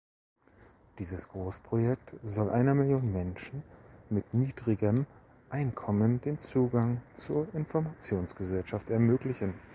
Dieses Großprojekt soll einer Million Menschen mit niedrigem Einkommen den Zugang zur Informationsgesellschaft ermöglichen.